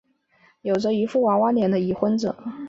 有着一副娃娃脸的已婚者。